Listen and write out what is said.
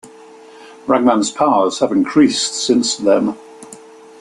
Ragman's powers have increased since then.